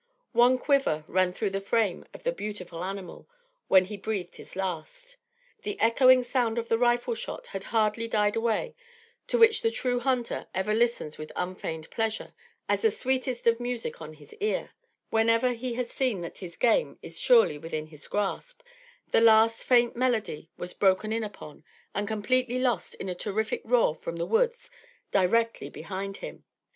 One quiver ran through the frame of the beautiful animal, when, he breathed his last. The echoing sound of the rifle shot had hardly died away, to which the true hunter ever listens with unfeigned pleasure as the sweetest of music on his ear, whenever he has seen that his game is surely within his grasp, the last faint melody was broken in upon and completely lost in a terrific roar from the woods directly behind him.